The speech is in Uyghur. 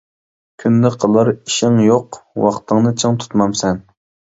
كۈندە قىلار ئىشىڭ يوق، ۋاقتىڭنى چىڭ تۇتمامسەن.